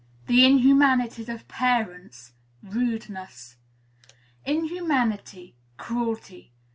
The Inhumanities of Parents Rudeness. /# "Inhumanity Cruelty.